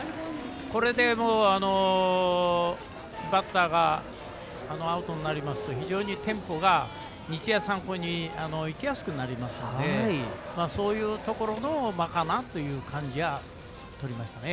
これで、バッターがアウトになりますと非常にテンポが日大三高にいきやすくなりますのでそういうところの間かなというところはとりましたね。